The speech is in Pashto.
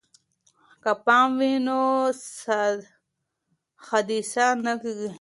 که پام وي نو حادثه نه کیږي.